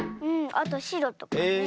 あとしろとかね。